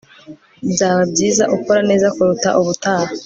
Byaba byiza ukora neza kuruta ubutaha